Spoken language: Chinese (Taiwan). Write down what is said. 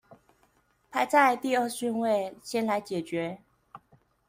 排在第二順位先來解決